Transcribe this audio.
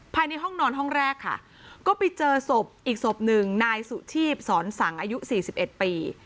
ภายในห้องนอนห้องแรกค่ะก็ไปเจอศพอีกศพหนึ่งนายสุชีพสอนสังอายุ๔๑ปี